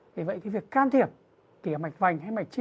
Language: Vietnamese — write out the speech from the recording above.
vì vậy việc can thiệp kìa mạch vành hay mạch chi